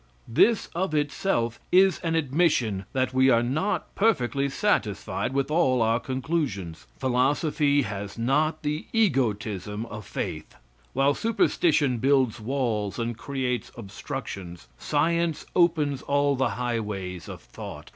This of itself, is an admission that we are not perfectly satisfied with all our conclusions. Philosophy has not the egotism of faith. While superstition builds walls and creates obstructions, science opens all the highways of thought.